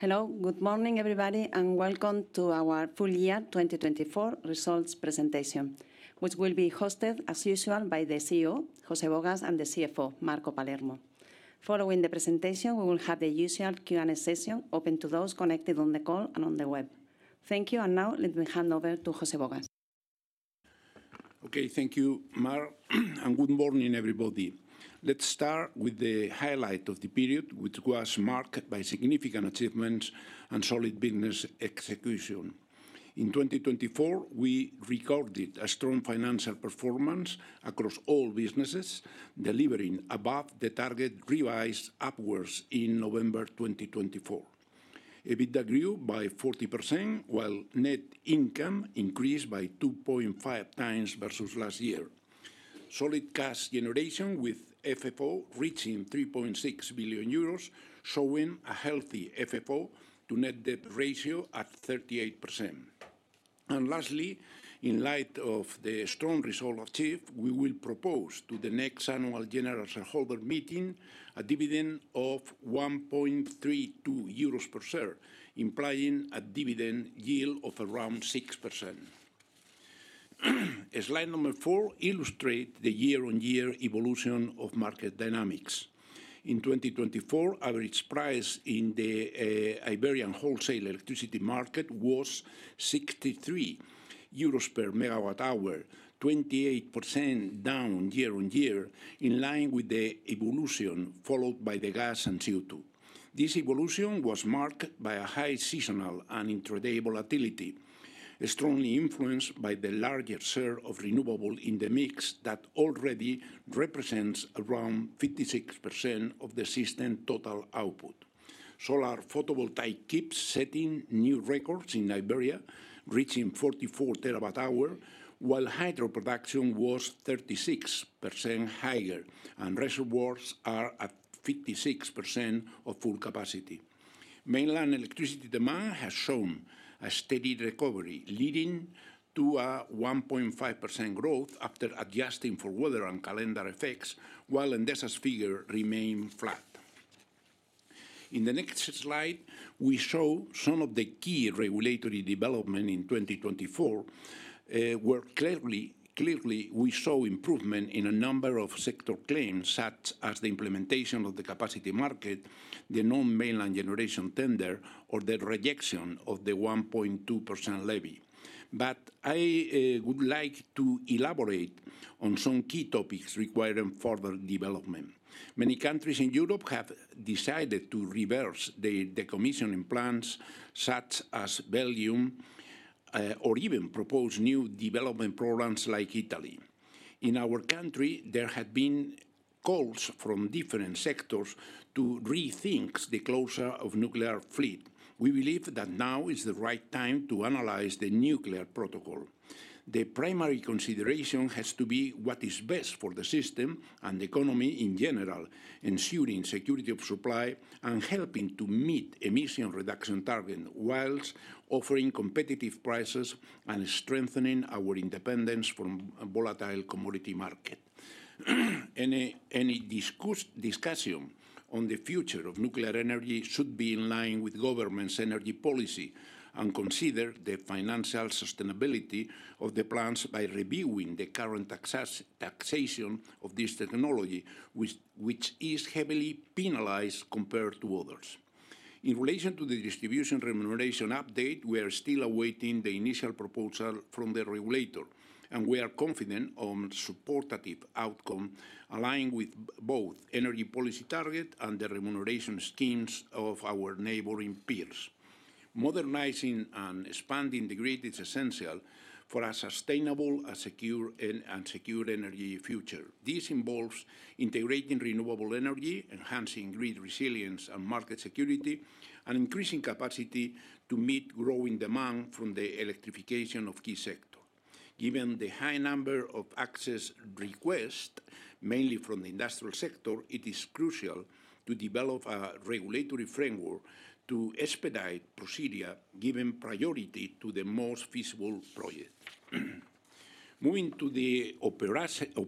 Hello, good morning everybody, and welcome to our full year 2024 results presentation, which will be hosted, as usual, by the CEO, José Bogas, and the CFO, Marco Palermo. Following the presentation, we will have the usual Q and A session open to those connected on the call and on the web. Thank you, and now let me hand over to José Bogas. Okay, thank you, Mar, and good morning everybody. Let's start with the highlight of the period, which was marked by significant achievements and solid business execution. In 2024, we recorded a strong financial performance across all businesses, delivering above the target revised upwards in November 2024. EBITDA grew by 40%, while net income increased by 2.5 times versus last year. Solid cash generation with FFO reaching 3.6 billion euros, showing a healthy FFO to net debt ratio at 38%. And lastly, in light of the strong result achieved, we will propose to the next Annual General Shareholder Meeting a dividend of 1.32 euros per share, implying a dividend yield of around 6%. Slide number four illustrates the year on year evolution of market dynamics. In 2024, average price in the Iberian Wholesale Electricity Market was 63 euros per megawatt hour, 28% down year on year, in line with the evolution followed by the gas and CO2. This evolution was marked by a high seasonal and intraday volatility, strongly influenced by the larger share of renewables in the mix that already represents around 56% of the system total output. Solar photovoltaic generation setting new records in Iberia, reaching 44 terawatt hours, while hydro production was 36% higher, and reservoirs are at 56% of full capacity. Mainland electricity demand has shown a steady recovery, leading to a 1.5% growth after adjusting for weather and calendar effects, while Endesa's figure remained flat. In the next slide, we show some of the key regulatory developments in 2024, where clearly we saw improvement in a number of sector claims, such as the implementation of the capacity market, the non-mainland generation tender, or the rejection of the 1.2% levy. But I would like to elaborate on some key topics requiring further development. Many countries in Europe have decided to reverse the commissioning plans, such as Belgium, or even propose new development programs like Italy. In our country, there have been calls from different sectors to rethink the closure of nuclear fleet. We believe that now is the right time to analyze the nuclear protocol. The primary consideration has to be what is best for the system and the economy in general, ensuring security of supply and helping to meet emission reduction targets whilst offering competitive prices and strengthening our independence from volatile commodity markets. Any discussion on the future of nuclear energy should be in line with government's energy policy and consider the financial sustainability of the plans by reviewing the current taxation of this technology, which is heavily penalized compared to others. In relation to the distribution remuneration update, we are still awaiting the initial proposal from the regulator, and we are confident on a supportive outcome aligned with both energy policy targets and the remuneration schemes of our neighboring peers. Modernizing and expanding the grid is essential for a sustainable and secure energy future. This involves integrating renewable energy, enhancing grid resilience and market security, and increasing capacity to meet growing demand from the electrification of key sectors. Given the high number of access requests, mainly from the industrial sector, it is crucial to develop a regulatory framework to expedite procedures, giving priority to the most feasible projects. Moving to the operational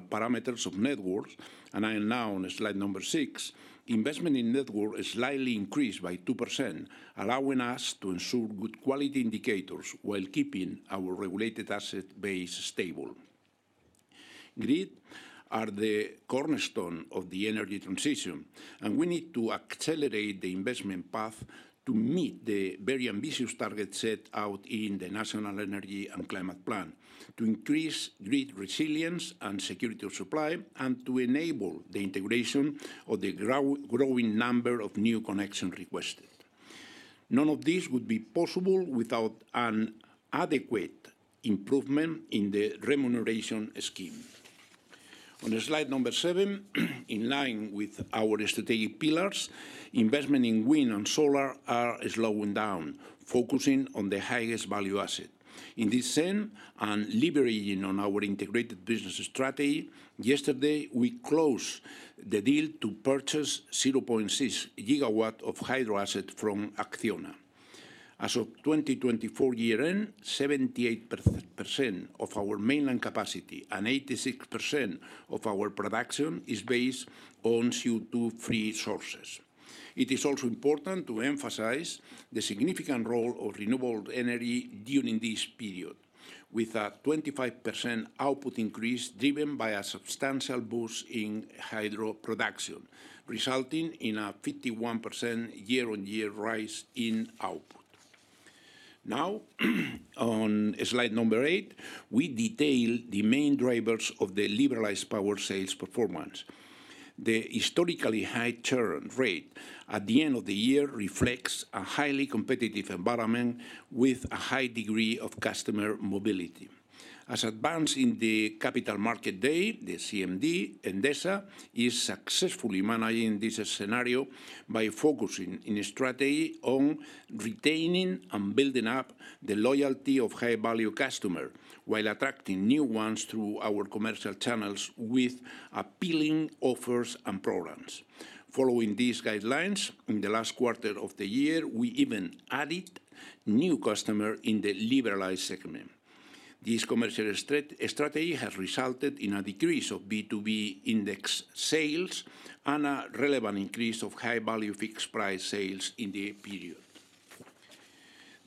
parameters of networks, and I am now on slide number six, investment in networks is slightly increased by 2%, allowing us to ensure good quality indicators while keeping our regulated asset base stable. Grids are the cornerstone of the energy transition, and we need to accelerate the investment path to meet the very ambitious targets set out in the National Energy and Climate Plan, to increase grid resilience and security of supply, and to enable the integration of the growing number of new connections requested. None of this would be possible without an adequate improvement in the remuneration scheme. On slide number seven, in line with our strategic pillars, investment in wind and solar are slowing down, focusing on the highest value asset. In this sense, and leveraging on our integrated business strategy, yesterday we closed the deal to purchase 0.6 gigawatts of hydro asset from Acciona. As of 2024 year-end, 78% of our mainland capacity and 86% of our production is based on CO2-free sources. It is also important to emphasize the significant role of renewable energy during this period, with a 25% output increase driven by a substantial boost in hydro production, resulting in a 51% year on year rise in output. Now, on slide number eight, we detail the main drivers of the liberalized power sales performance. The historically high churn rate at the end of the year reflects a highly competitive environment with a high degree of customer mobility. As advanced in the capital markets day, the CMD, Endesa is successfully managing this scenario by focusing in strategy on retaining and building up the loyalty of high-value customers while attracting new ones through our commercial channels with appealing offers and programs. Following these guidelines, in the last quarter of the year, we even added new customers in the liberalized segment. This commercial strategy has resulted in a decrease of B2B index sales and a relevant increase of high-value fixed price sales in the period.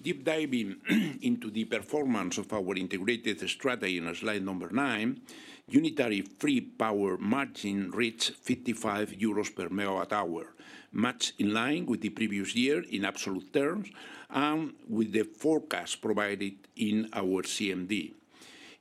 Deep diving into the performance of our integrated strategy on slide number nine, unitary free power margin reached 55 euros per megawatt hour, much in line with the previous year in absolute terms and with the forecast provided in our CMD.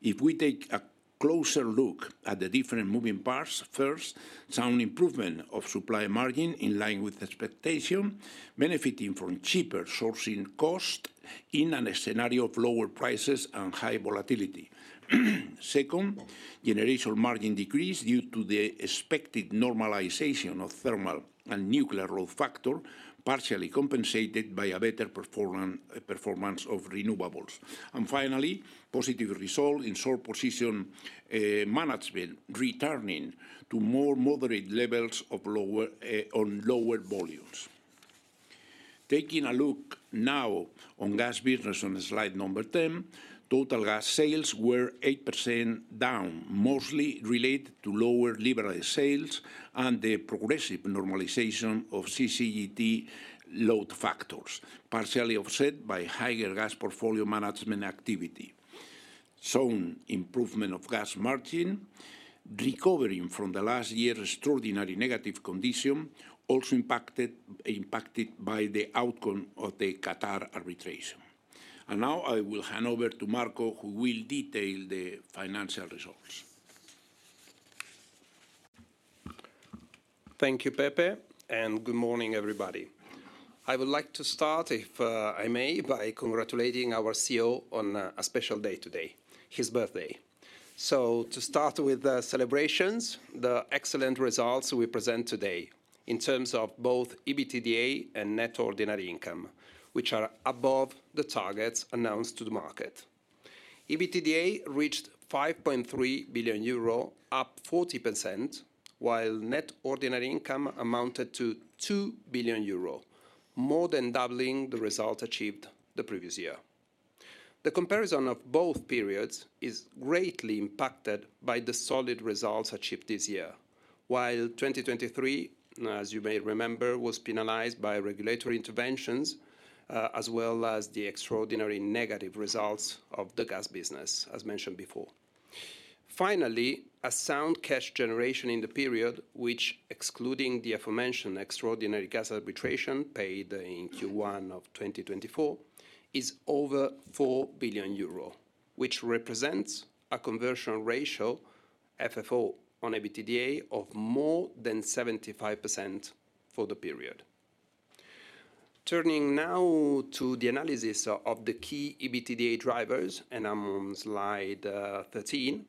If we take a closer look at the different moving parts, first, some improvement of supply margin in line with expectation, benefiting from cheaper sourcing costs in a scenario of lower prices and high volatility. Second, generation margin decrease due to the expected normalization of thermal and nuclear load factor, partially compensated by a better performance of renewables. And finally, positive result in solar position management returning to more moderate levels on lower volumes. Taking a look now on gas business on slide number ten, total gas sales were 8% down, mostly related to lower liberalized sales and the progressive normalization of CCGT load factors, partially offset by higher gas portfolio management activity. So, the improvement of gas margin recovering from last year's extraordinary negative condition also impacted by the outcome of the Qatar Arbitration, and now I will hand over to Marco, who will detail the financial results. Thank you, Pepe, and good morning, everybody. I would like to start, if I may, by congratulating our CEO on a special day today, his birthday. So to start with the celebrations, the excellent results we present today in terms of both EBITDA and net ordinary income, which are above the targets announced to the market. EBITDA reached 5.3 billion euro, up 40%, while net ordinary income amounted to 2 billion euro, more than doubling the results achieved the previous year. The comparison of both periods is greatly impacted by the solid results achieved this year, while 2023, as you may remember, was penalized by regulatory interventions as well as the extraordinary negative results of the gas business, as mentioned before. Finally, a sound cash generation in the period, which, excluding the aforementioned extraordinary gas arbitration paid in Q1 of 2024, is over 4 billion euro, which represents a conversion ratio, FFO on EBITDA, of more than 75% for the period. Turning now to the analysis of the key EBITDA drivers, and I'm on slide 13,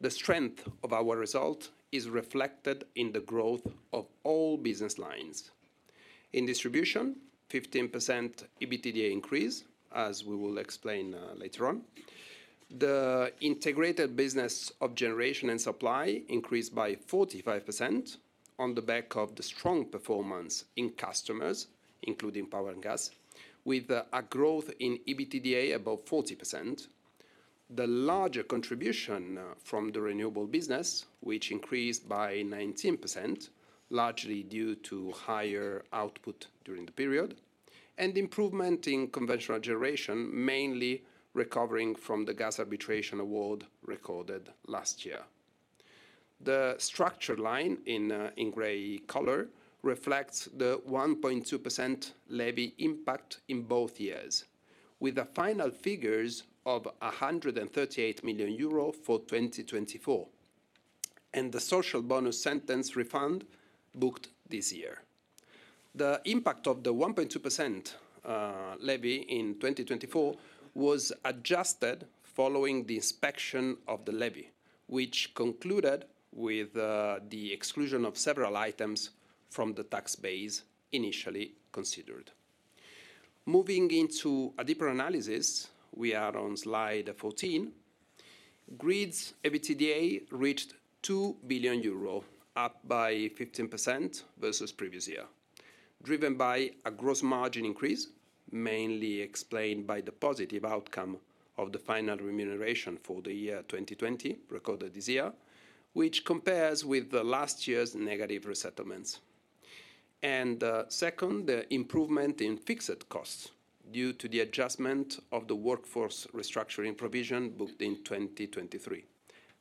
the strength of our result is reflected in the growth of all business lines. In distribution, 15% EBITDA increase, as we will explain later on. The integrated business of generation and supply increased by 45% on the back of the strong performance in customers, including power and gas, with a growth in EBITDA above 40%. The larger contribution from the renewable business, which increased by 19%, largely due to higher output during the period, and improvement in conventional generation, mainly recovering from the gas arbitration award recorded last year. The structure line in gray color reflects the 1.2% levy impact in both years, with the final figures of 138 million euro for 2024, and the Social Bonus sentence refund booked this year. The impact of the 1.2% levy in 2024 was adjusted following the inspection of the levy, which concluded with the exclusion of several items from the tax base initially considered. Moving into a deeper analysis, we are on slide 14. Grids' EBITDA reached 2 billion euro, up by 15% versus previous year, driven by a gross margin increase, mainly explained by the positive outcome of the final remuneration for the year 2020 recorded this year, which compares with last year's negative resettlements, and second, the improvement in fixed costs due to the adjustment of the workforce restructuring provision booked in 2023,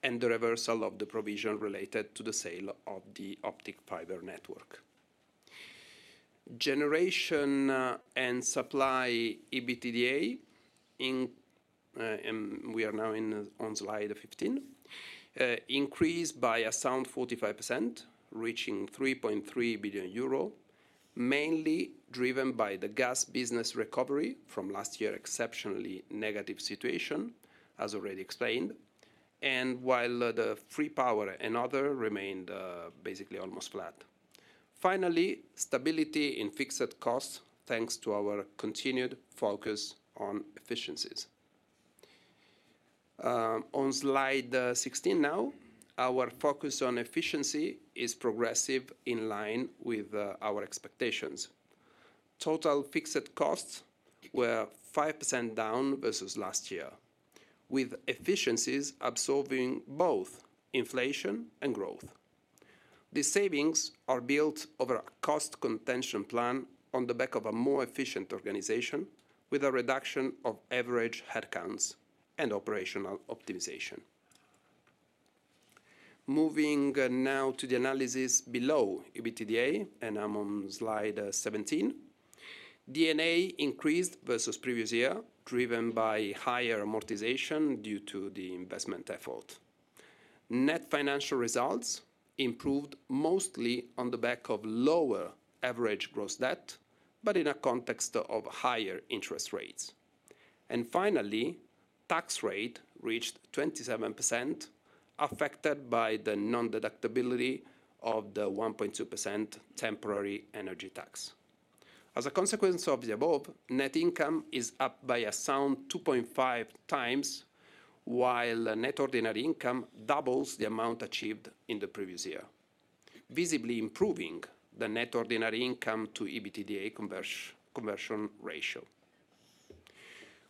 and the reversal of the provision related to the sale of the optic fiber network. Generation and supply EBITDA, and we are now on slide 15, increased by a sound 45%, reaching 3.3 billion euro, mainly driven by the gas business recovery from last year's exceptionally negative situation, as already explained, and while the free power and other remained basically almost flat. Finally, stability in fixed costs thanks to our continued focus on efficiencies. On slide 16 now, our focus on efficiency is progressive in line with our expectations. Total fixed costs were 5% down versus last year, with efficiencies absorbing both inflation and growth. These savings are built over a cost containment plan on the back of a more efficient organization with a reduction of average headcount and operational optimization. Moving now to the analysis below EBITDA, and I'm on slide 17. D&A increased versus previous year, driven by higher amortization due to the investment effort. Net financial results improved mostly on the back of lower average gross debt, but in a context of higher interest rates. And finally, tax rate reached 27%, affected by the non-deductibility of the 1.2% temporary energy tax. As a consequence of the above, net income is up by a sound 2.5 times, while net ordinary income doubles the amount achieved in the previous year, visibly improving the net ordinary income to EBITDA conversion ratio.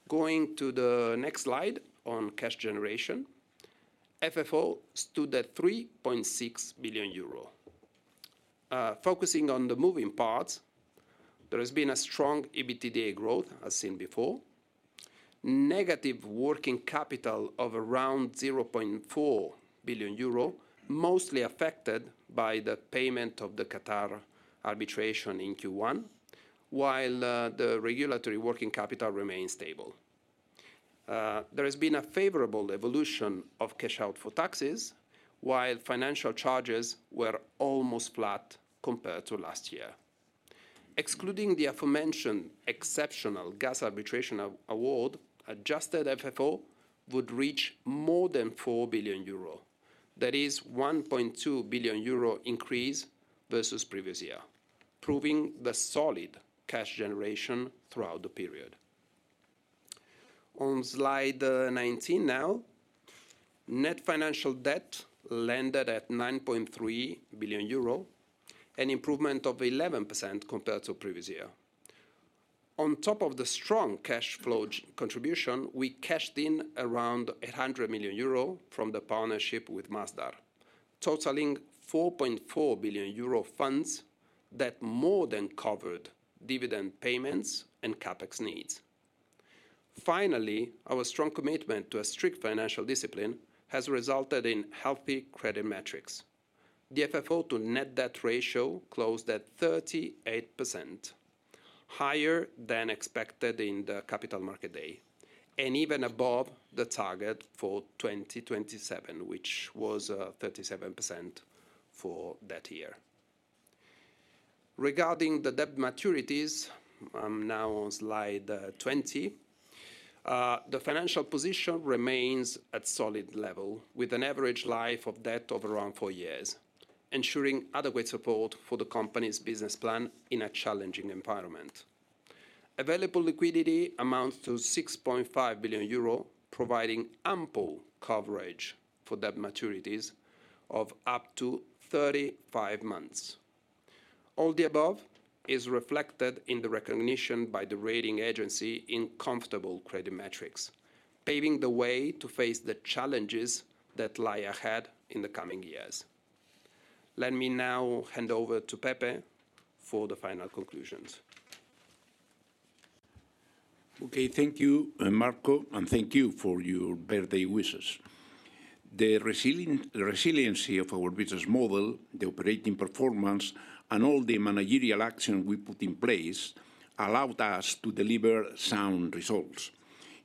Going to the next slide on cash generation, FFO stood at 3.6 billion euro. Focusing on the moving parts, there has been a strong EBITDA growth, as seen before. Negative working capital of around 0.4 billion euro, mostly affected by the payment of the Qatar Arbitration in Q1, while the regulatory working capital remained stable. There has been a favorable evolution of cash out for taxes, while financial charges were almost flat compared to last year. Excluding the aforementioned exceptional gas arbitration award, adjusted FFO would reach more than 4 billion euro, that is 1.2 billion euro increase versus previous year, proving the solid cash generation throughout the period. On slide 19 now, net financial debt landed at 9.3 billion euro, an improvement of 11% compared to previous year. On top of the strong cash flow contribution, we cashed in around 800 million euro from the partnership with Masdar, totaling 4.4 billion euro funds that more than covered dividend payments and CapEx needs. Finally, our strong commitment to a strict financial discipline has resulted in healthy credit metrics. The FFO to net debt ratio closed at 38%, higher than expected in the Capital Markets Day, and even above the target for 2027, which was 37% for that year. Regarding the debt maturities, I'm now on slide 20. The financial position remains at solid level, with an average life of debt of around four years, ensuring adequate support for the company's business plan in a challenging environment. Available liquidity amounts to 6.5 billion euro, providing ample coverage for debt maturities of up to 35 months. All the above is reflected in the recognition by the rating agency in comfortable credit metrics, paving the way to face the challenges that lie ahead in the coming years. Let me now hand over to Pepe for the final conclusions. Okay, thank you, Marco, and thank you for your birthday wishes. The resiliency of our business model, the operating performance, and all the managerial action we put in place allowed us to deliver sound results.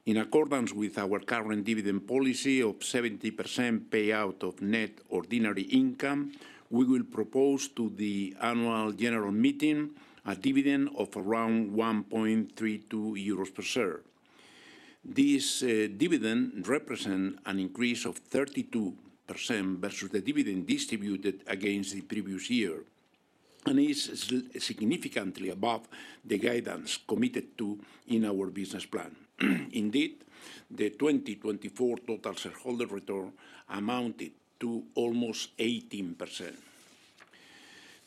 In accordance with our current dividend policy of 70% payout of net ordinary income, we will propose to the Annual General Meeting a dividend of around 1.32 euros per share. This dividend represents an increase of 32% versus the dividend distributed against the previous year and is significantly above the guidance committed to in our business plan. Indeed, the 2024 total shareholder return amounted to almost 18%.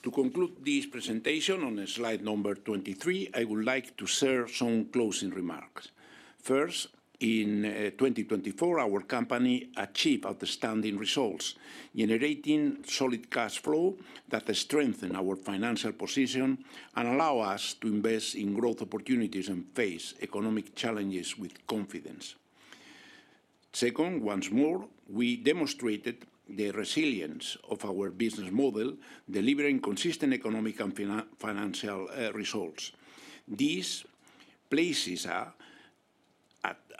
To conclude this presentation on slide number 23, I would like to share some closing remarks. First, in 2024, our company achieved outstanding results, generating solid cash flow that strengthened our financial position and allowed us to invest in growth opportunities and face economic challenges with confidence. Second, once more, we demonstrated the resilience of our business model, delivering consistent economic and financial results. This places us at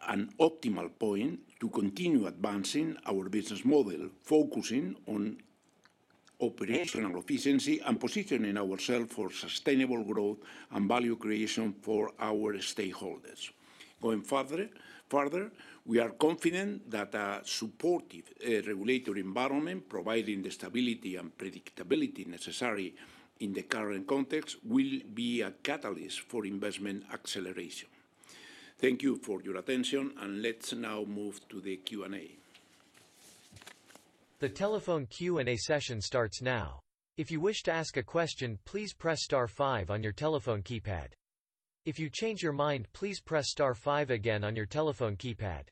an optimal point to continue advancing our business model, focusing on operational efficiency and positioning ourselves for sustainable growth and value creation for our stakeholders. Going further, we are confident that a supportive regulatory environment, providing the stability and predictability necessary in the current context, will be a catalyst for investment acceleration. Thank you for your attention, and let's now move to the Q and A. The telephone Q and A session starts now. If you wish to ask a question, please press star five on your telephone keypad. If you change your mind, please press star five again on your telephone keypad.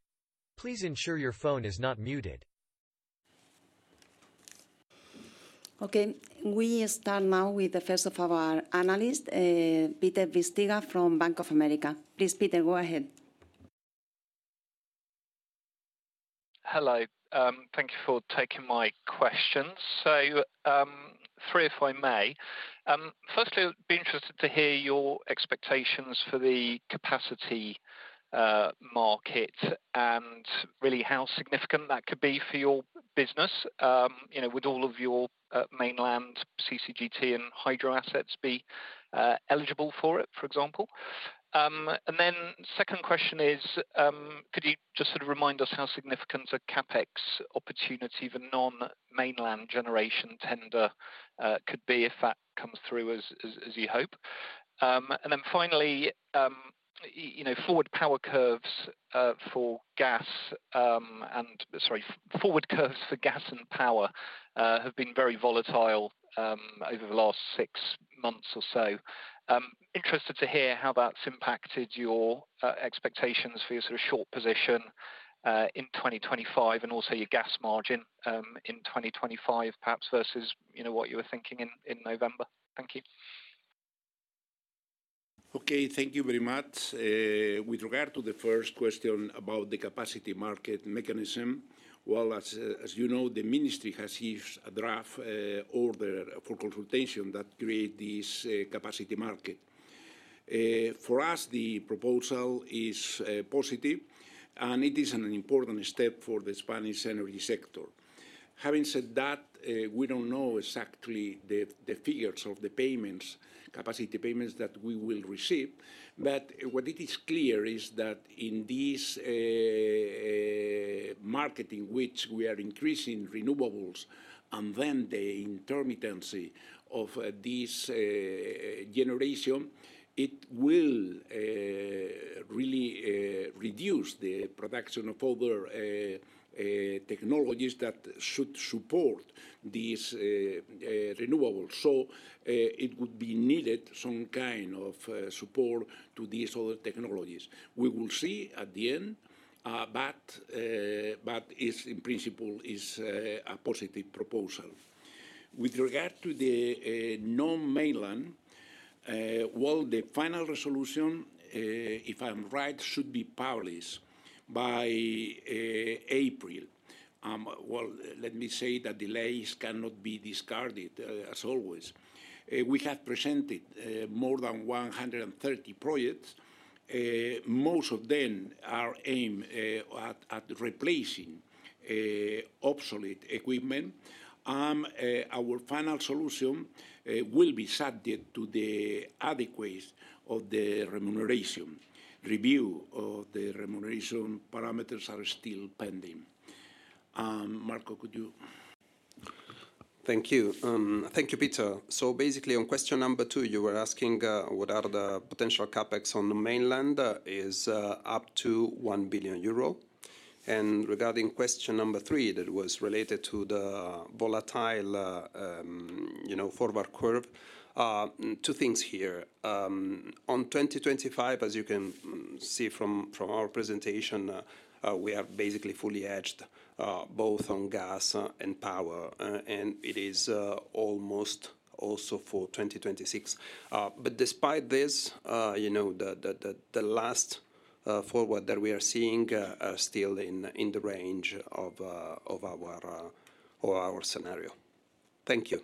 Please ensure your phone is not muted. Okay, we start now with the first of our analysts, Peter Bisztyga from Bank of America. Please, Peter, go ahead. Hello, thank you for taking my questions. So, three, if I may. Firstly, I'd be interested to hear your expectations for the capacity market and really how significant that could be for your business, with all of your mainland CCGT and hydro assets being eligible for it, for example. And then the second question is, could you just sort of remind us how significant a CapEx opportunity for non-mainland generation tender could be if that comes through, as you hope? And then finally, forward power curves for gas and, sorry, forward curves for gas and power have been very volatile over the last six months or so. Interested to hear how that's impacted your expectations for your sort of short position in 2025 and also your gas margin in 2025, perhaps versus what you were thinking in November. Thank you. Okay, thank you very much. With regard to the first question about the capacity market mechanism, well, as you know, the Ministry has issued a draft order for consultation that creates this capacity market. For us, the proposal is positive, and it is an important step for the Spanish energy sector. Having said that, we don't know exactly the figures of the payments, capacity payments that we will receive, but what it is clear is that in this market in which we are increasing renewables and then the intermittency of this generation, it will really reduce the production of other technologies that should support these renewables. So it would be needed some kind of support to these other technologies. We will see at the end, but it's in principle a positive proposal. With regard to the non-mainland, well, the final resolution, if I'm right, should be published by April. Let me say that delays cannot be discarded, as always. We have presented more than 130 projects. Most of them are aimed at replacing obsolete equipment, and our final solution will be subject to the adequacy of the remuneration. Review of the remuneration parameters are still pending. Marco, could you? Thank you. Thank you, Peter. So basically, on question number two, you were asking what the potential CapEx on the mainland is up to 1 billion euro. And regarding question number three, that was related to the volatile forward curve, two things here. On 2025, as you can see from our presentation, we are basically fully hedged, both on gas and power, and it is almost also for 2026. But despite this, the latest forward that we are seeing is still in the range of our scenario. Thank you.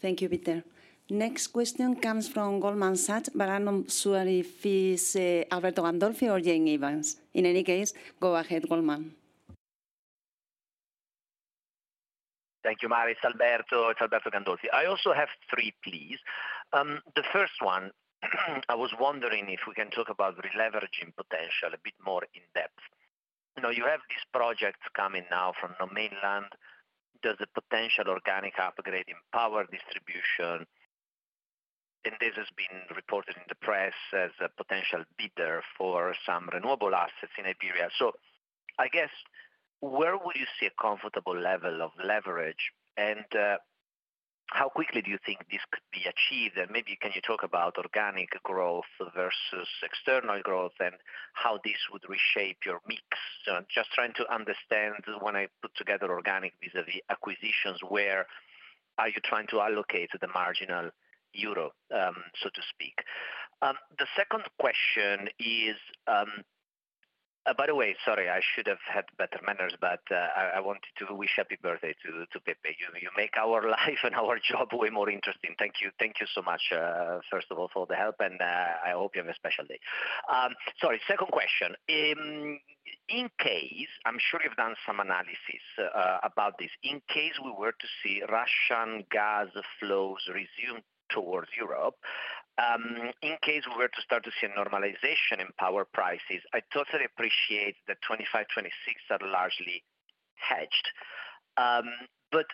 Thank you, Peter. Next question comes from Goldman Sachs, but I'm not sure if it's Alberto Gandolfi or Jen Evans. In any case, go ahead, Goldman. Thank you, Mar. Alberto. It's Alberto Gandolfi. I also have three, please. The first one, I was wondering if we can talk about the leveraging potential a bit more in depth. You have these projects coming now from the mainland. There's a potential organic upgrade in power distribution, and this has been reported in the press as a potential bidder for some renewable assets in Iberia. So I guess, where would you see a comfortable level of leverage, and how quickly do you think this could be achieved? And maybe can you talk about organic growth versus external growth and how this would reshape your mix? Just trying to understand when I put together organic vis-à-vis acquisitions, where are you trying to allocate the marginal Euro, so to speak? The second question is, by the way, sorry, I should have had better manners, but I wanted to wish happy birthday to Pepe. You make our life and our job way more interesting. Thank you so much, first of all, for the help, and I hope you have a special day. Sorry, second question. In case, I'm sure you've done some analysis about this. In case we were to see Russian gas flows resume towards Europe, in case we were to start to see a normalization in power prices, I totally appreciate that 25, 26 are largely hedged. But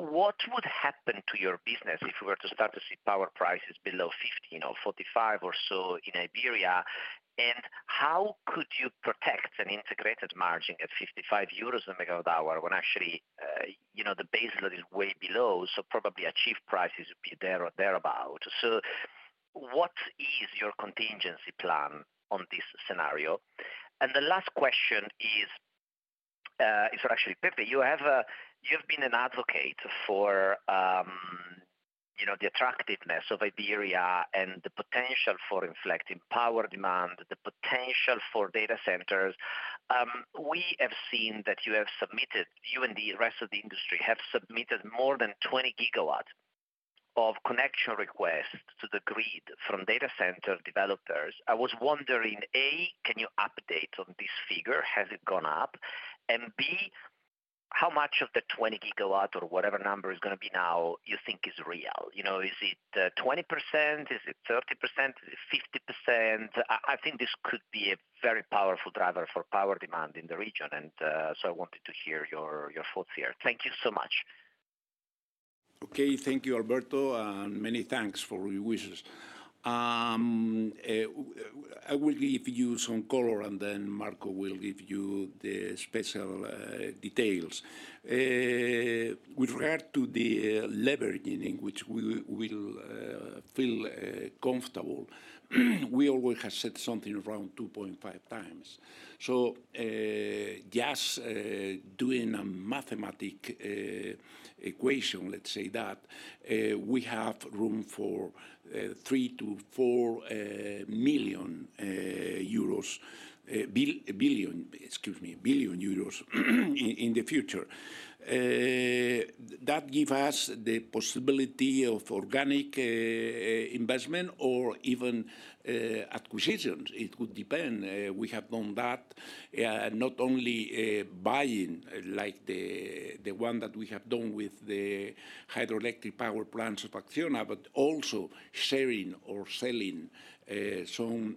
what would happen to your business if we were to start to see power prices below 15 or 45 or so in Iberia? And how could you protect an integrated margin at 55 euros a megawatt hour when actually the baseline is way below? So probably achieved prices would be there or thereabouts. So what is your contingency plan on this scenario? And the last question is, sorry, actually, Pepe, you have been an advocate for the attractiveness of Iberia and the potential for inflecting power demand, the potential for data centers. We have seen that you have submitted, you and the rest of the industry have submitted more than 20 gigawatts of connection requests to the grid from data center developers. I was wondering, A, can you update on this figure? Has it gone up? And B, how much of the 20 gigawatt or whatever number is going to be now you think is real? Is it 20%? Is it 30%? Is it 50%? I think this could be a very powerful driver for power demand in the region, and so I wanted to hear your thoughts here. Thank you so much. Okay, thank you, Alberto, and many thanks for your wishes. I will give you some color, and then Marco will give you the specific details. With regard to the leveraging in which we will feel comfortable, we already have said something around 2.5 times. So just doing a mathematical equation, let's say that we have room for 3 to 4 billion euros in the future. That gives us the possibility of organic investment or even acquisitions. It would depend. We have done that, not only buying like the one that we have done with the hydroelectric power plants of Acciona, but also sharing or selling some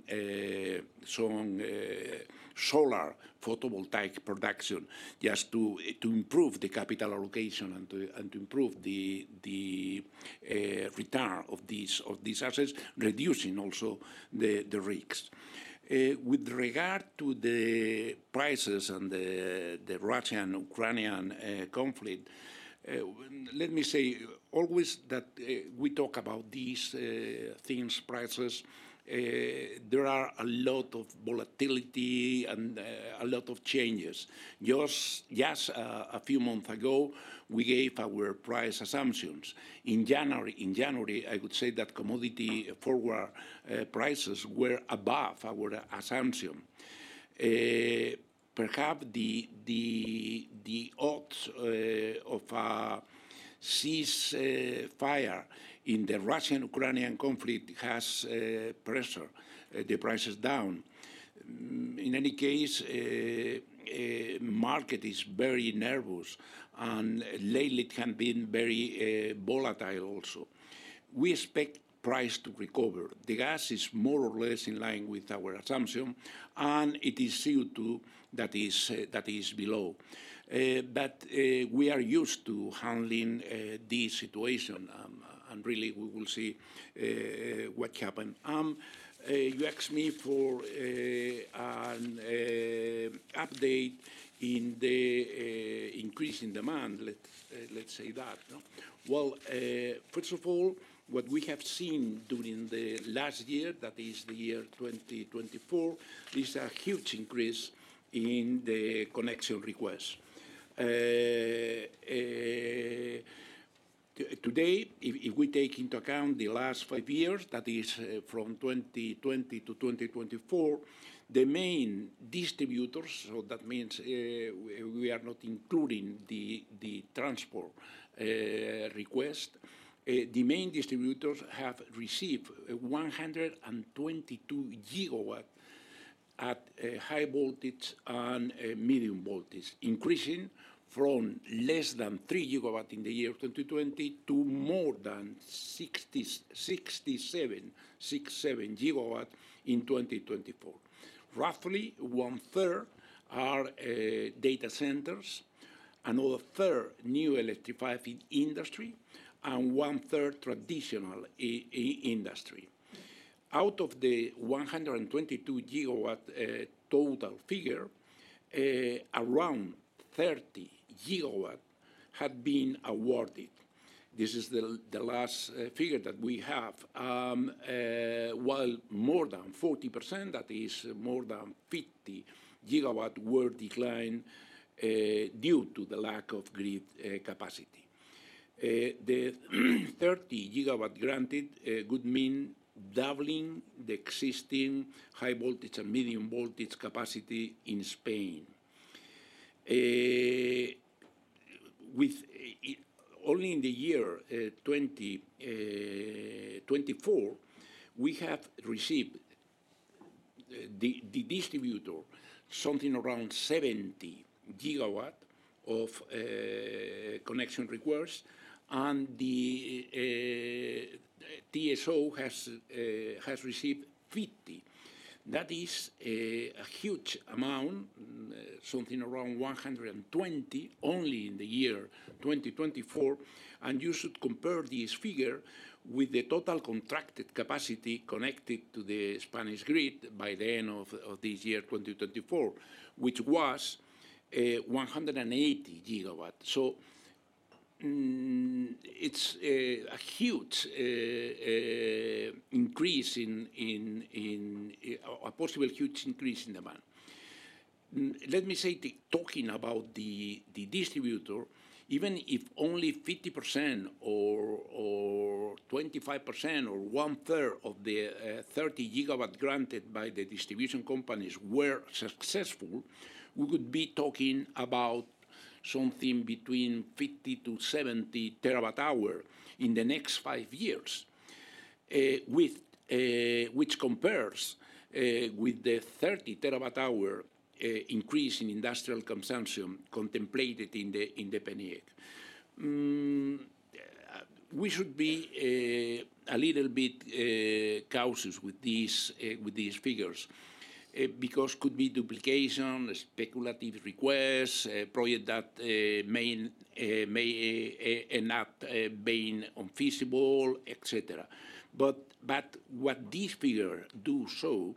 solar photovoltaic production just to improve the capital allocation and to improve the return of these assets, reducing also the risks. With regard to the prices and the Russian-Ukrainian conflict, let me say always that we talk about these things, prices. There are a lot of volatility and a lot of changes. Just a few months ago, we gave our price assumptions. In January, I would say that commodity forward prices were above our assumption. Perhaps the odds of a ceasefire in the Russian-Ukrainian conflict have pressured the prices down. In any case, the market is very nervous, and lately it has been very volatile also. We expect price to recover. The gas is more or less in line with our assumption, and it is still that is below. But we are used to handling this situation, and really we will see what happens. You asked me for an update in the increasing demand, let's say that. First of all, what we have seen during the last year, that is the year 2024, is a huge increase in the connection requests. Today, if we take into account the last five years, that is from 2020 to 2024, the main distributors, so that means we are not including the transport request, the main distributors have received 122 gigawatts at high voltage and medium voltage, increasing from less than three gigawatts in the year 2020 to more than 67 gigawatts in 2024. Roughly one-third are data centers and another third new electrified industry and one-third traditional industry. Out of the 122 gigawatts total figure, around 30 gigawatts have been awarded. This is the last figure that we have. While more than 40%, that is more than 50 gigawatts, were declined due to the lack of grid capacity. The 30 gigawatts granted would mean doubling the existing high voltage and medium voltage capacity in Spain. Only in the year 2024, we have received the distributor something around 70 gigawatts of connection requests, and the TSO has received 50. That is a huge amount, something around 120 only in the year 2024. And you should compare this figure with the total contracted capacity connected to the Spanish grid by the end of this year 2024, which was 180 gigawatts. So it's a huge increase in a possible huge increase in demand. Let me say, talking about the distributor, even if only 50% or 25% or one-third of the 30 gigawatts granted by the distribution companies were successful, we would be talking about something between 50-70 terawatt hours in the next five years, which compares with the 30 terawatt hour increase in industrial consumption contemplated in the PNIEC. We should be a little bit cautious with these figures because it could be duplication, speculative requests, projects that may not be feasible, etc. But what these figures do show,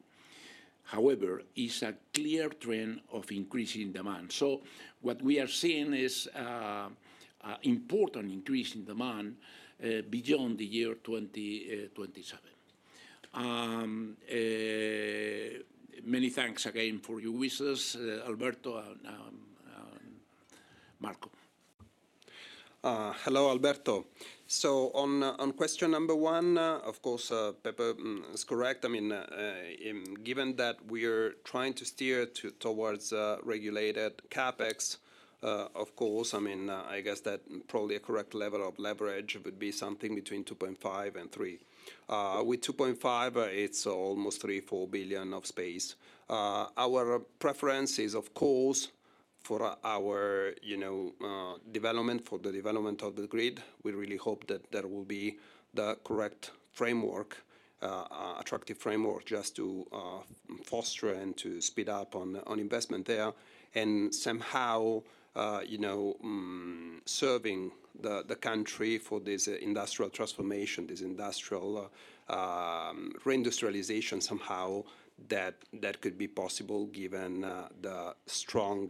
however, is a clear trend of increasing demand. So what we are seeing is an important increase in demand beyond the year 2027. Many thanks again for your wishes, Alberto and Marco. Hello, Alberto, so on question number one, of course, Pepe is correct. I mean, given that we are trying to steer towards regulated CapEx, of course, I mean, I guess that probably a correct level of leverage would be something between 2.5 and 3. With 2.5, it's almost 3.4 billion of space. Our preference is, of course, for our development, for the development of the grid. We really hope that there will be the correct framework, attractive framework just to foster and to speed up on investment there and somehow serving the country for this industrial transformation, this industrial reindustrialization somehow that could be possible given the strong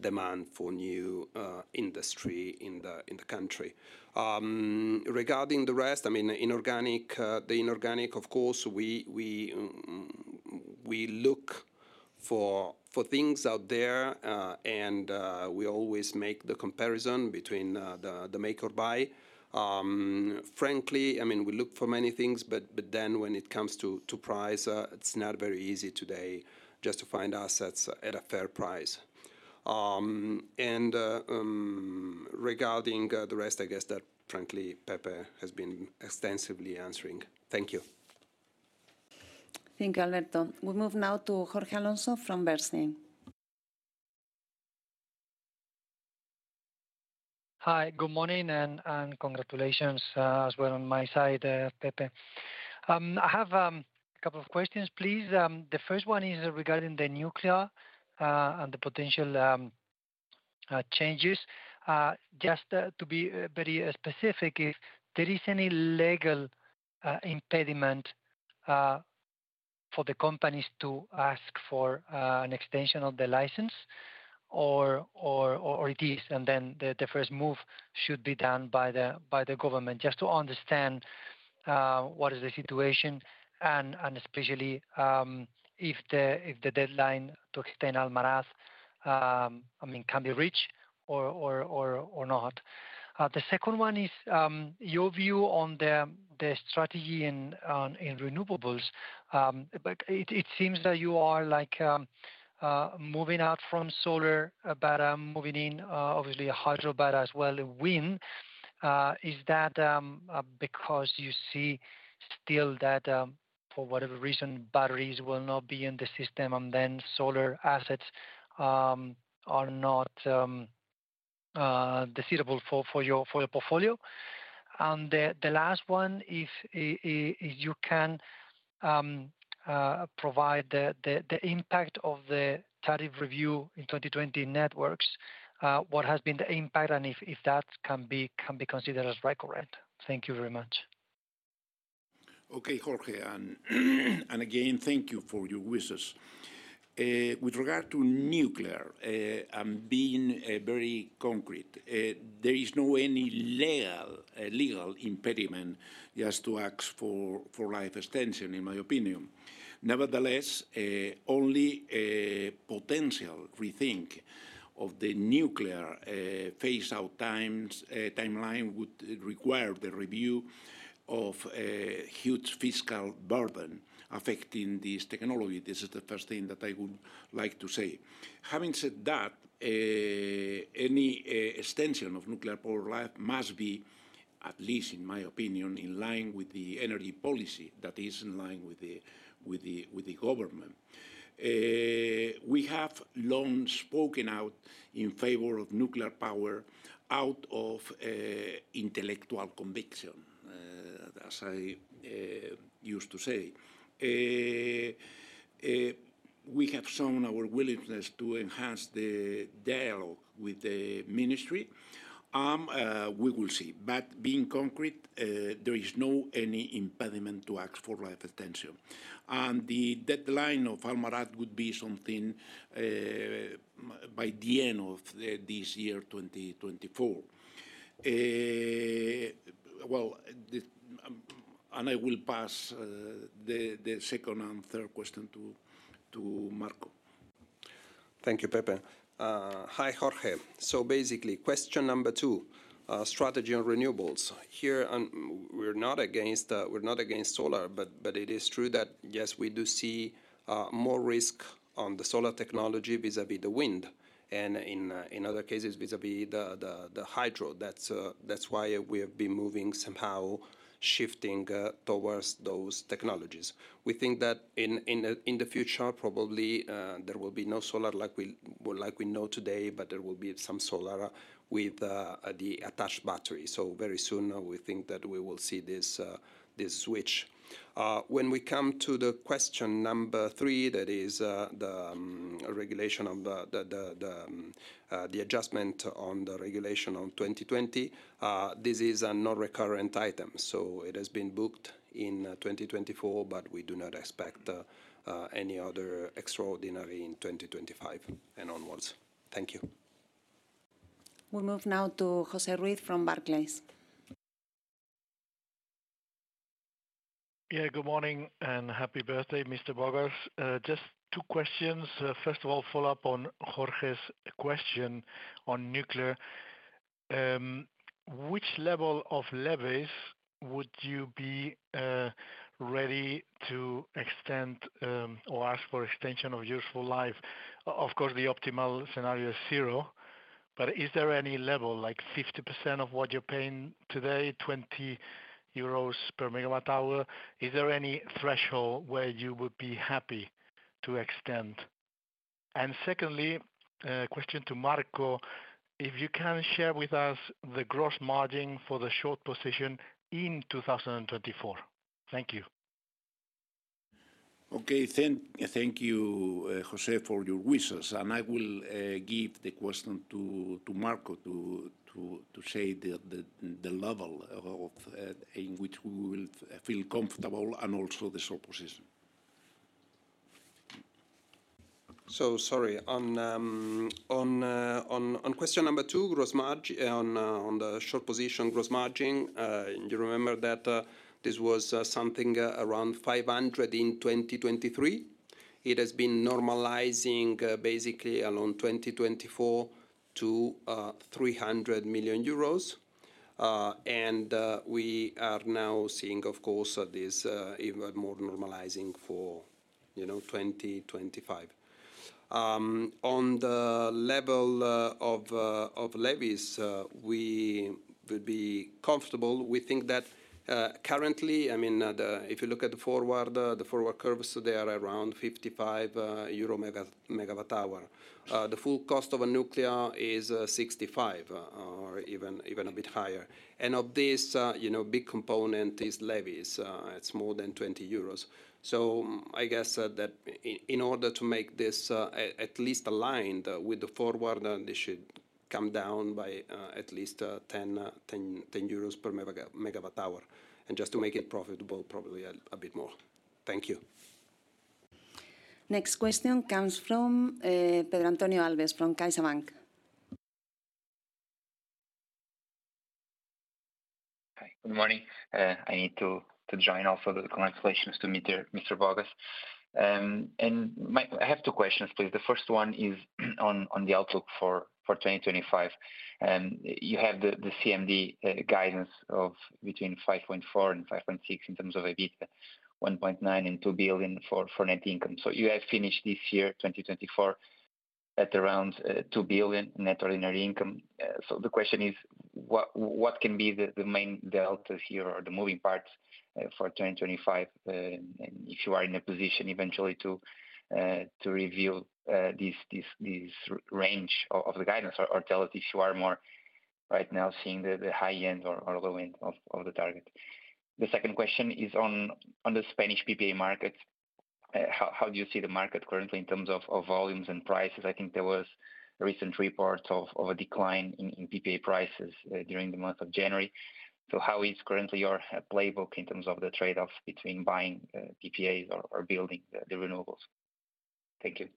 demand for new industry in the country. Regarding the rest, I mean, the inorganic, of course, we look for things out there, and we always make the comparison between the make or buy. Frankly, I mean, we look for many things, but then when it comes to price, it's not very easy today just to find assets at a fair price. And regarding the rest, I guess that frankly, Pepe has been extensively answering. Thank you. Thank you, Alberto. We move now to Jorge Alonso from Bestinver. Hi, good morning and congratulations as well on my side, Pepe. I have a couple of questions, please. The first one is regarding the nuclear and the potential changes. Just to be very specific, if there is any legal impediment for the companies to ask for an extension of the license or it is, and then the first move should be done by the government just to understand what is the situation and especially if the deadline to extend Almaraz, I mean, can be reached or not. The second one is your view on the strategy in renewables. It seems that you are moving out from solar battery, moving in obviously a hydro battery as well, wind. Is that because you see still that for whatever reason batteries will not be in the system and then solar assets are not desirable for your portfolio? The last one is you can provide the impact of the tariff review in 2020 networks. What has been the impact and if that can be considered as recurrent? Thank you very much. Okay, Jorge, and again, thank you for your wishes. With regard to nuclear, I'm being very concrete. There is no any legal impediment just to ask for life extension, in my opinion. Nevertheless, only potential rethink of the nuclear phase-out timeline would require the review of huge fiscal burden affecting this technology. This is the first thing that I would like to say. Having said that, any extension of nuclear power life must be, at least in my opinion, in line with the energy policy that is in line with the government. We have long spoken out in favor of nuclear power out of intellectual conviction, as I used to say. We have shown our willingness to enhance the dialogue with the ministry. We will see. But being concrete, there is no any impediment to ask for life extension. The deadline of Almaraz would be something by the end of this year 2024. I will pass the second and third question to Marco. Thank you, Pepe. Hi, Jorge. So basically, question number two, strategy on renewables. Here, we're not against solar, but it is true that yes, we do see more risk on the solar technology vis-à-vis the wind and in other cases vis-à-vis the hydro. That's why we have been moving somehow shifting towards those technologies. We think that in the future, probably there will be no solar like we know today, but there will be some solar with the attached battery. So very soon, we think that we will see this switch. When we come to the question number three, that is the regulation of the adjustment on the regulation on 2020, this is a non-recurrent item. So it has been booked in 2024, but we do not expect any other extraordinary in 2025 and onwards. Thank you. We move now to Jose Ruiz from Barclays. Yeah, good morning and happy birthday, Mr. Bogas. Just two questions. First of all, follow up on Jorge's question on nuclear. Which level of levies would you be ready to extend or ask for extension of useful life? Of course, the optimal scenario is zero, but is there any level like 50% of what you're paying today, 20 euros per megawatt hour? Is there any threshold where you would be happy to extend? And secondly, question to Marco, if you can share with us the gross margin for the short position in 2024. Thank you. Okay, thank you, José, for your wishes. And I will give the question to Marco to say the level in which we will feel comfortable and also the short position. So sorry, on question number two, gross margin on the short position, gross margin. You remember that this was something around 500 in 2023. It has been normalizing basically around 2024 to 300 million euros. And we are now seeing, of course, this even more normalizing for 2025. On the level of levies, we would be comfortable. We think that currently, I mean, if you look at the forward curves, they are around 55 euro megawatt hour. The full cost of a nuclear is 65 or even a bit higher. And of this, a big component is levies. It's more than 20 euros. So I guess that in order to make this at least aligned with the forward, they should come down by at least 10 euros per megawatt hour. And just to make it profitable, probably a bit more. Thank you. Next question comes from Pedro Antonio Alves from CaixaBank. Hi, good morning. I need to join also the congratulations to Mr. Bogas. And I have two questions, please. The first one is on the outlook for 2025. You have the CMD guidance of between 5.4 billion and 5.6 billion in terms of EBITDA, 1.9 billion and 2 billion for net income. So you have finished this year, 2024, at around 2 billion net ordinary income. So the question is, what can be the main delta here or the moving parts for 2025? And if you are in a position eventually to reveal this range of the guidance or tell us if you are more right now seeing the high end or low end of the target. The second question is on the Spanish PPA market. How do you see the market currently in terms of volumes and prices? I think there was a recent report of a decline in PPA prices during the month of January. So how is currently your playbook in terms of the trade-off between buying PPAs or building the renewables? Thank you.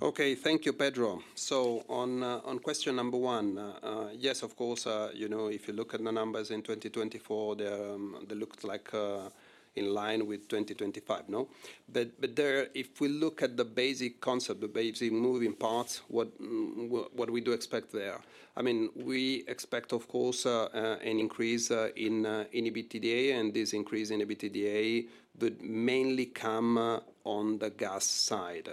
Okay, thank you, Pedro. So on question number one, yes, of course, if you look at the numbers in 2024, they look like in line with 2025, no? But if we look at the basic concept, the basic moving parts, what we do expect there. I mean, we expect, of course, an increase in EBITDA, and this increase in EBITDA would mainly come on the gas side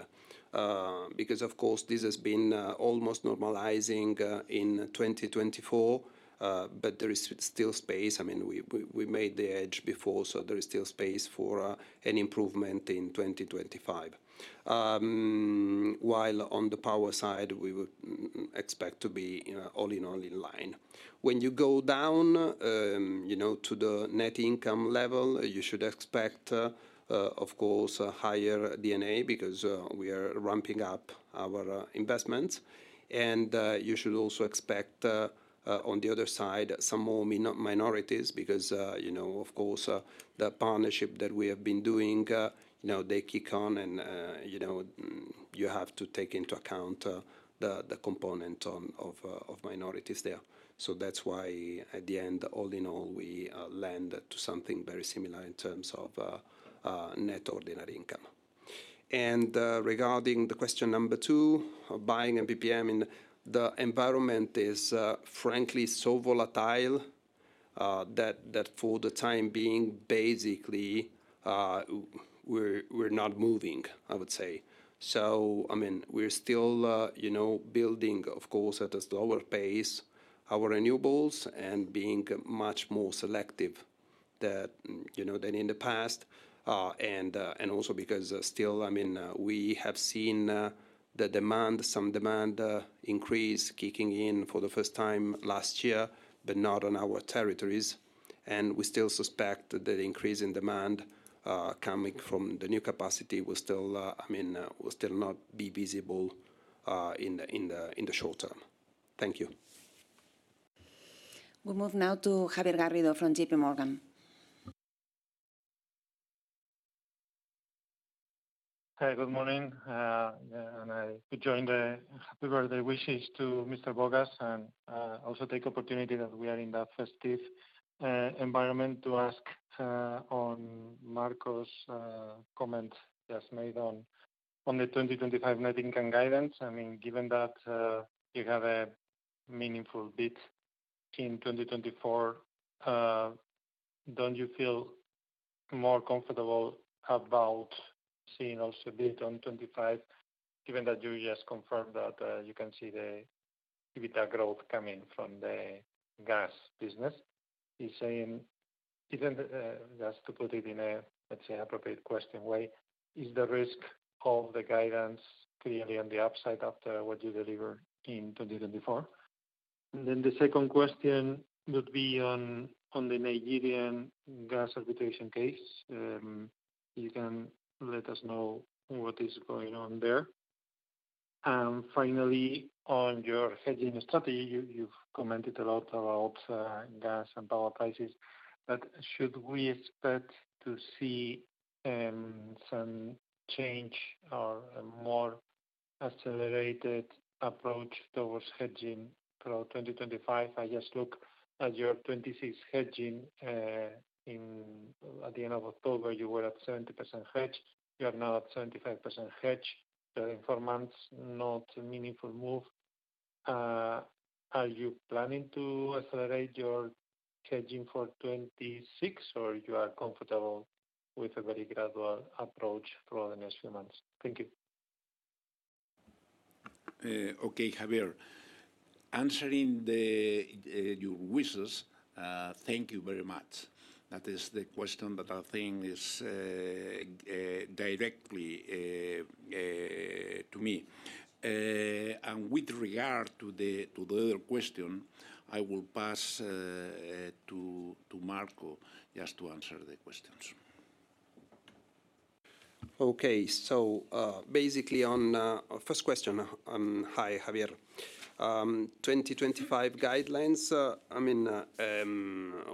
because, of course, this has been almost normalizing in 2024, but there is still space. I mean, we made the hedge before, so there is still space for an improvement in 2025. While on the power side, we would expect to be all in all in line. When you go down to the net income level, you should expect, of course, higher D&A because we are ramping up our investments. And you should also expect on the other side some more minorities because, of course, the partnership that we have been doing, they kick on and you have to take into account the component of minorities there. So that's why at the end, all in all, we land to something very similar in terms of net ordinary income. And regarding the question number two, buying a PPA, the environment is frankly so volatile that for the time being, basically, we're not moving, I would say. So I mean, we're still building, of course, at a slower pace, our renewables and being much more selective than in the past. And also because still, I mean, we have seen some demand increase kicking in for the first time last year, but not on our territories. We still suspect that the increase in demand coming from the new capacity will still, I mean, will still not be visible in the short term. Thank you. We move now to Javier Garrido from JPMorgan. Hi, good morning. And I would join the happy birthday wishes to Mr. Bogas and also take the opportunity that we are in that festive environment to ask on Marco's comments just made on the 2025 net income guidance. I mean, given that you have a meaningful beat in 2024, don't you feel more comfortable about seeing also a beat on 25, given that you just confirmed that you can see the EBITDA growth coming from the gas business? He's saying, just to put it in a, let's say, appropriate question way, is the risk of the guidance clearly on the upside after what you deliver in 2024? And then the second question would be on the Nigerian Gas Arbitration Case. You can let us know what is going on there. Finally, on your hedging strategy, you've commented a lot about gas and power prices, but should we expect to see some change or a more accelerated approach towards hedging for 2025? I just look at your 2026 hedging as at the end of October, you were at 70% hedge. You are now at 75% hedge. In four months, not a meaningful move. Are you planning to accelerate your hedging for 2026 or you are comfortable with a very gradual approach for the next few months? Thank you. Okay, Javier, answering your wishes, thank you very much. That is the question that I think is directly to me, and with regard to the other question, I will pass to Marco just to answer the questions. Okay, so basically on first question, hi, Javier. 2025 guidelines, I mean,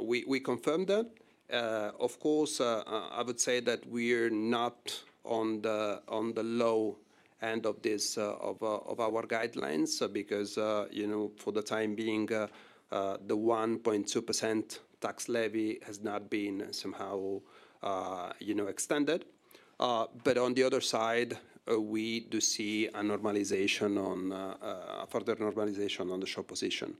we confirmed that. Of course, I would say that we're not on the low end of our guidelines because for the time being, the 1.2% tax levy has not been somehow extended. But on the other side, we do see a normalization on further normalization on the short position.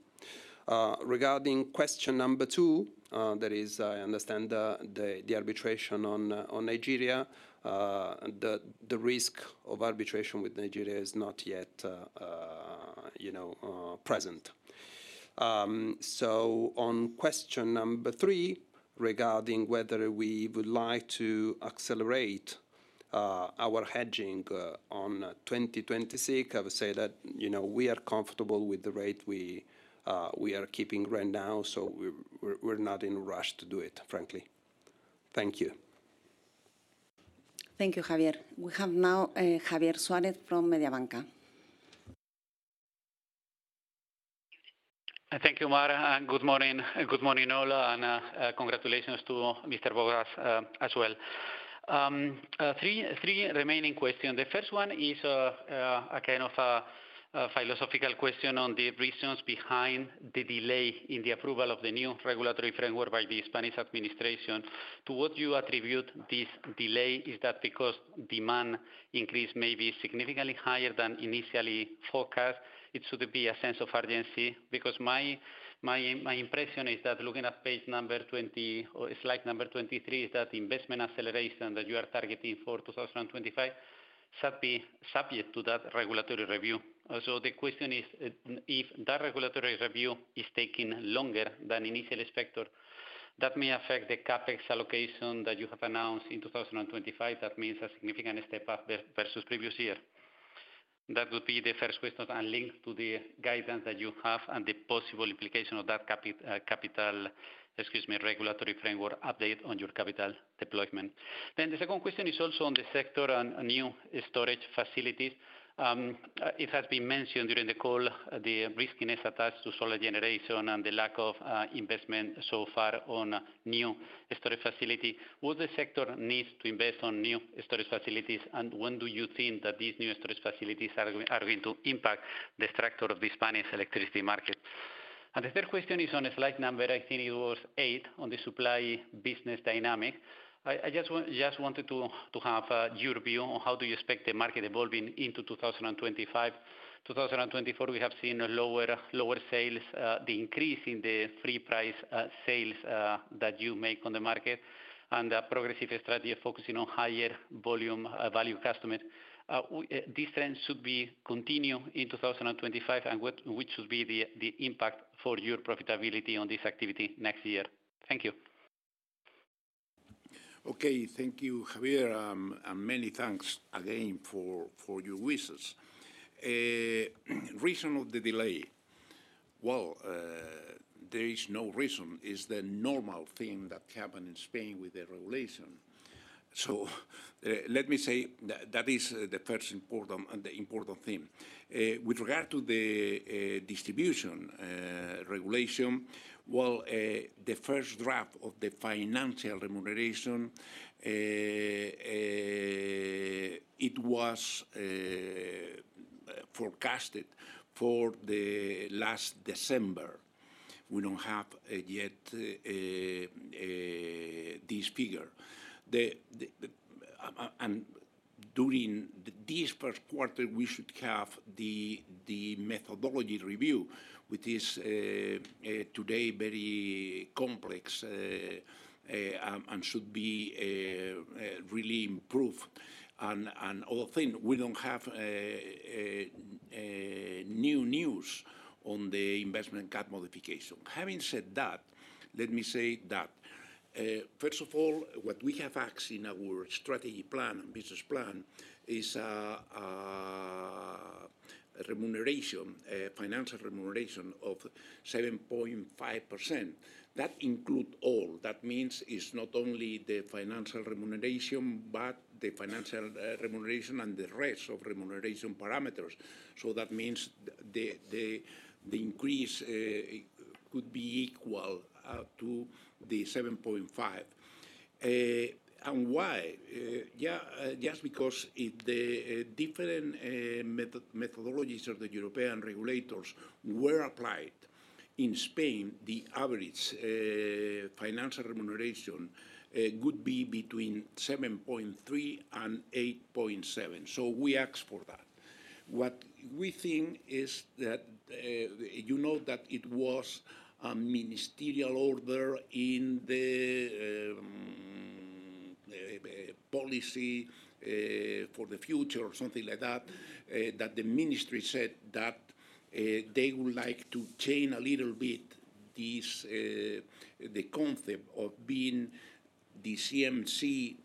Regarding question number two, there is, I understand, the arbitration on Nigeria. The risk of arbitration with Nigeria is not yet present. So on question number three, regarding whether we would like to accelerate our hedging on 2026, I would say that we are comfortable with the rate we are keeping right now, so we're not in a rush to do it, frankly. Thank you. Thank you, Javier. We have now Javier Suárez from Mediobanca. Thank you, Mar. Good morning, good morning, hola, and congratulations to Mr. Bogas as well. Three remaining questions. The first one is a kind of philosophical question on the reasons behind the delay in the approval of the new regulatory framework by the Spanish administration. To what you attribute this delay, is that because demand increase may be significantly higher than initially forecast, it should be a sense of urgency? Because my impression is that looking at page number 20 or slide number 23, is that investment acceleration that you are targeting for 2025 subject to that regulatory review? So the question is, if that regulatory review is taking longer than initial expected, that may affect the CapEx allocation that you have announced in 2025? That means a significant step up versus previous year. That would be the first question and link to the guidance that you have and the possible implication of that capital, excuse me, regulatory framework update on your capital deployment. Then the second question is also on the sector and new storage facilities. It has been mentioned during the call, the riskiness attached to solar generation and the lack of investment so far on new storage facility. What the sector needs to invest on new storage facilities, and when do you think that these new storage facilities are going to impact the structure of the Spanish electricity market? And the third question is on a slide number, I think it was eight, on the supply business dynamic. I just wanted to have your view on how do you expect the market evolving into 2025. 2024, we have seen lower sales, the increase in the free price sales that you make on the market, and the progressive strategy of focusing on higher volume value customers. These trends should be continued in 2025, and what should be the impact for your profitability on this activity next year? Thank you. Okay, thank you, Javier, and many thanks again for your wishes. Reason of the delay, well, there is no reason. It's the normal thing that happened in Spain with the regulation. Let me say that is the first important theme. With regard to the distribution regulation, well, the first draft of the financial remuneration, it was forecasted for the last December. We don't have yet this figure. During this first quarter, we should have the methodology review, which is today very complex and should be really improved. Other thing, we don't have new news on the investment cap modification. Having said that, let me say that first of all, what we have asked in our strategy plan and business plan is remuneration, financial remuneration of 7.5%. That includes all. That means it's not only the financial remuneration, but the financial remuneration and the rest of remuneration parameters. So that means the increase could be equal to the 7.5. And why? Yeah, just because the different methodologies of the European regulators were applied in Spain, the average financial remuneration could be between 7.3 and 8.7. So we ask for that. What we think is that you know that it was a ministerial order in the policy for the future or something like that, that the ministry said that they would like to change a little bit the concept of being the CNMC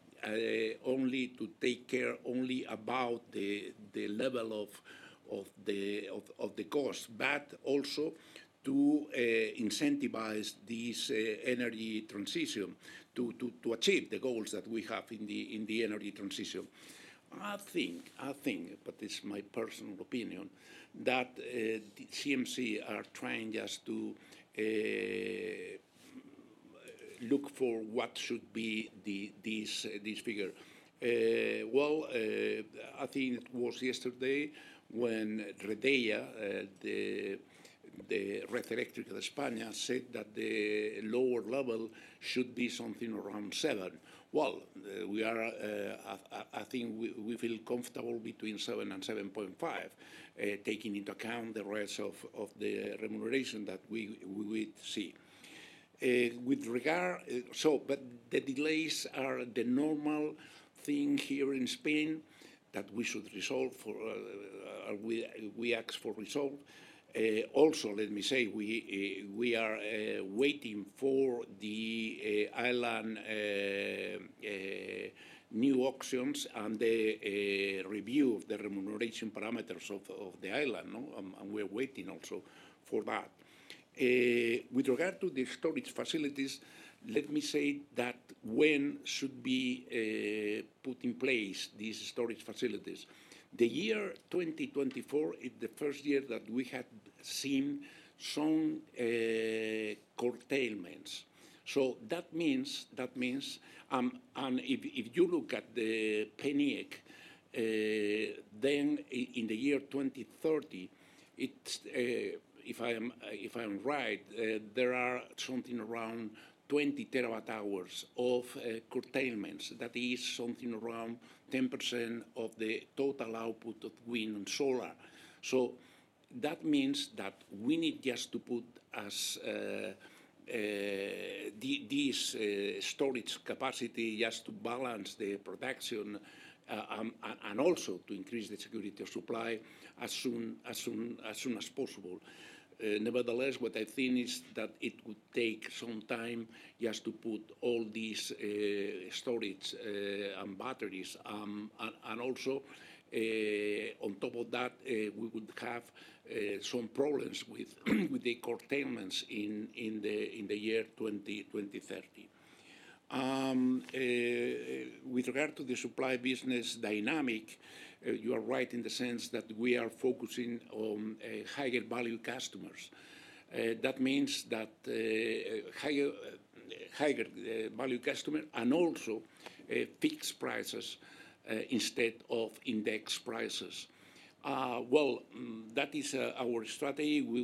only to take care only about the level of the cost, but also to incentivize this energy transition to achieve the goals that we have in the energy transition. I think, I think, but it's my personal opinion, that the CNMC are trying just to look for what should be this figure. I think it was yesterday when Redeia, the Red Eléctrica of Spain, said that the lower level should be something around seven. I think we feel comfortable between seven and 7.5, taking into account the rest of the remuneration that we would see. But the delays are the normal thing here in Spain that we should resolve for we ask for resolve. Also, let me say, we are waiting for the island new auctions and the review of the remuneration parameters of the island, and we're waiting also for that. With regard to the storage facilities, let me say that when should be put in place these storage facilities. The year 2024 is the first year that we have seen some curtailments. So that means, and if you look at the PNIEC, then in the year 2030, if I'm right, there are something around 20 terawatt hours of curtailments. That is something around 10% of the total output of wind and solar. So that means that we need just to put this storage capacity just to balance the production and also to increase the security of supply as soon as possible. Nevertheless, what I think is that it would take some time just to put all these storage and batteries, and also, on top of that, we would have some problems with the curtailments in the year 2030. With regard to the supply business dynamic, you are right in the sense that we are focusing on higher value customers. That means that higher value customers and also fixed prices instead of index prices, well, that is our strategy. We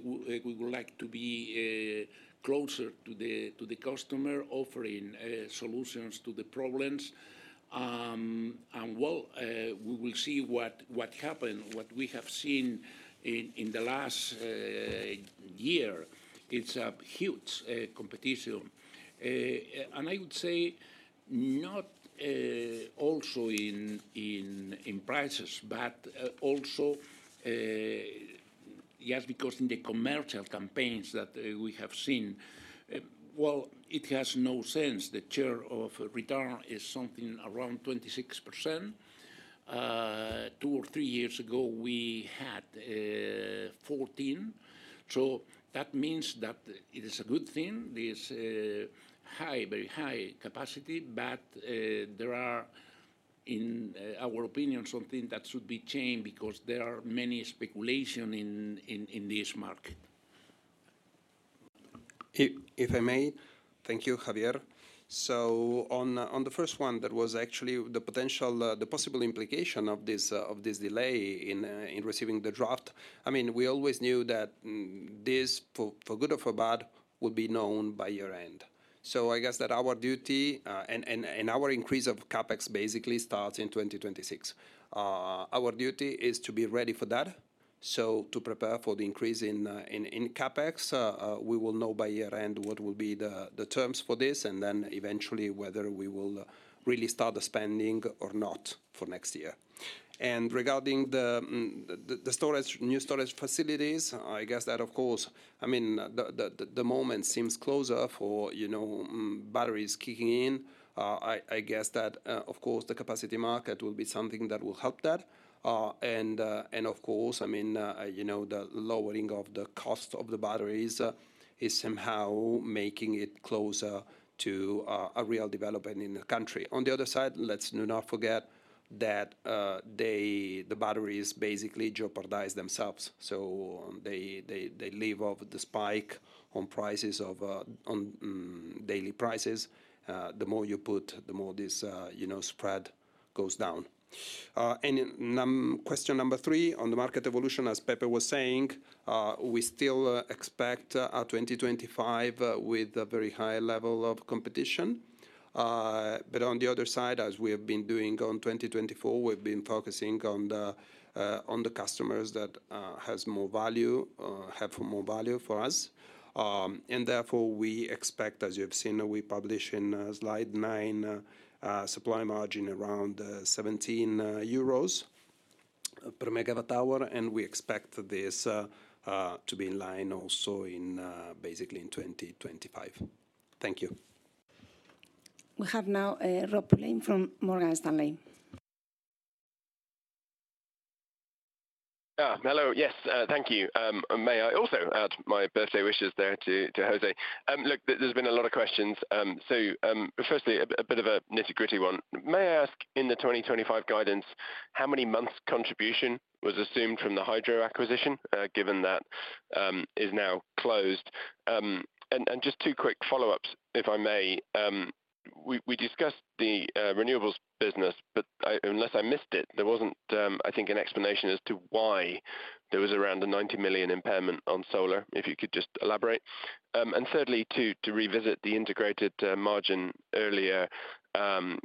would like to be closer to the customer, offering solutions to the problems. And well, we will see what happened. What we have seen in the last year, it's a huge competition. And I would say not also in prices, but also just because in the commercial campaigns that we have seen, well, it has no sense. The share of return is something around 26%. Two or three years ago, we had 14. So that means that it is a good thing, this high, very high capacity, but there are, in our opinion, something that should be changed because there are many speculations in this market. If I may, thank you, Javier. So on the first one, that was actually the potential, the possible implication of this delay in receiving the draft. I mean, we always knew that this, for good or for bad, would be known by year-end. So I guess that our duty and our increase of CapEx basically starts in 2026. Our duty is to be ready for that. So to prepare for the increase in CapEx, we will know by year-end what will be the terms for this, and then eventually whether we will really start spending or not for next year. And regarding the new storage facilities, I guess that, of course, I mean, the moment seems closer for batteries kicking in. I guess that, of course, the Capacity Market will be something that will help that. Of course, I mean, the lowering of the cost of the batteries is somehow making it closer to a real development in the country. On the other side, let's not forget that the batteries basically jeopardize themselves. So they live off the spike on prices of daily prices. The more you put, the more this spread goes down. Question number three, on the market evolution, as Pepe was saying, we still expect 2025 with a very high level of competition. On the other side, as we have been doing on 2024, we've been focusing on the customers that have more value, have more value for us. Therefore, we expect, as you have seen, we publish in slide nine supply margin around 17 euros per megawatt hour, and we expect this to be in line also basically in 2025. Thank you. We have now Rob Pulleyn from Morgan Stanley. Yeah, hello. Yes, thank you. May I also add my birthday wishes there to José? Look, there's been a lot of questions. So firstly, a bit of a nitty-gritty one. May I ask in the 2025 guidance, how many months' contribution was assumed from the hydro acquisition, given that is now closed? And just two quick follow-ups, if I may. We discussed the renewables business, but unless I missed it, there wasn't, I think, an explanation as to why there was around a 90 million impairment on solar, if you could just elaborate. And thirdly, to revisit the integrated margin earlier,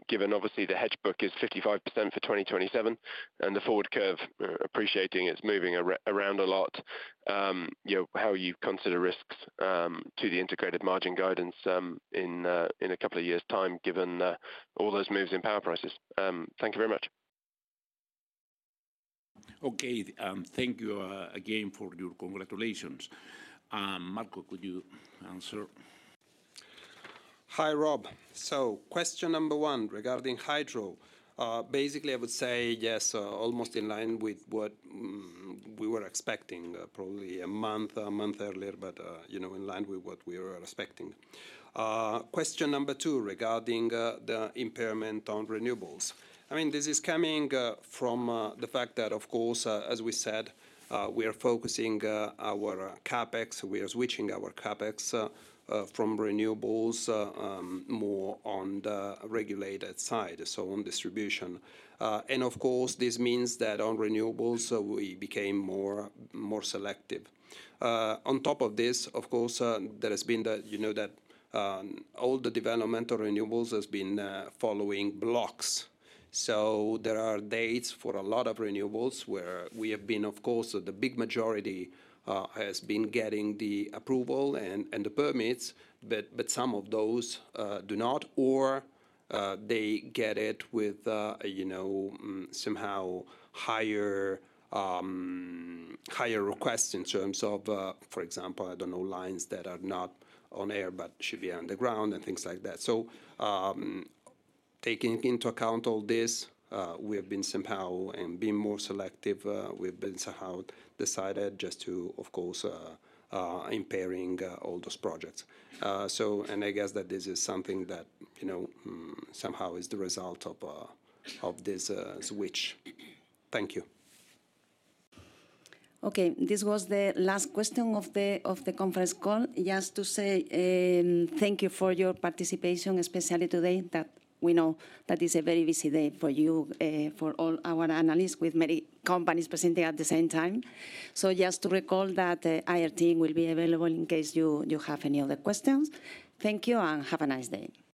given obviously the hedge book is 55% for 2027 and the forward curve appreciating, it's moving around a lot. How you consider risks to the integrated margin guidance in a couple of years' time, given all those moves in power prices. Thank you very much. Okay, thank you again for your congratulations. Marco, could you answer? Hi, Rob. So question number one regarding hydro. Basically, I would say yes, almost in line with what we were expecting, probably a month, a month earlier, but in line with what we were expecting. Question number two regarding the impairment on renewables. I mean, this is coming from the fact that, of course, as we said, we are focusing our CapEx, we are switching our CapEx from renewables more on the regulated side, so on distribution. And of course, this means that on renewables, we became more selective. On top of this, of course, there has been that all the development of renewables has been following blocks. So, there are dates for a lot of renewables where we have been, of course, the big majority has been getting the approval and the permits, but some of those do not, or they get it with somehow higher requests in terms of, for example, I don't know, lines that are not on air, but should be underground and things like that, so taking into account all this, we have been somehow being more selective. We've been somehow decided just to, of course, impairing all those projects. And I guess that this is something that somehow is the result of this switch. Thank you. Okay, this was the last question of the conference call. Just to say thank you for your participation, especially today, that we know that is a very busy day for you, for all our analysts with many companies presenting at the same time. So just to recall that IR team will be available in case you have any other questions. Thank you and have a nice day.